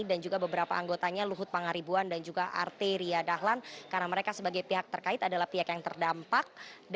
dan juga beberapa anggotanya luhut pangaribuan dan juga arte riyadahlan karena mereka sebagai pihak terkait adalah pihak yang terdampak